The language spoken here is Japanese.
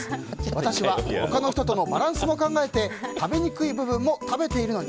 私は他の人とのバランスも考えて食べにくい部分も食べているのに。